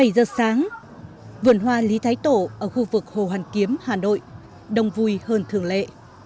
bảy giờ sáng vườn hoa lý thái tổ ở khu vực hồ hoàn kiếm hà nội đông vui hơn thường lệ